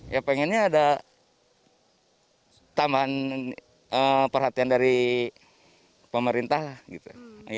ya pengennya ada tambahan perhatian dari pemerintah lah gitu